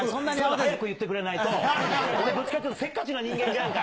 早く言ってくれないと、俺どっちかっていうと、せっかちな人間じゃんか。